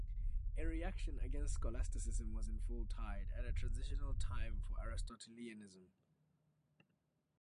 A reaction against scholasticism was in full tide, at a transitional time for Aristotelianism.